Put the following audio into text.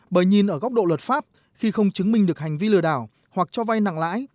bởi nhìn ở góc độ luật pháp khi không chứng minh được hành vi lừa đảo hoặc cho vay nặng lãi